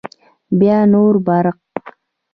بیا نور برق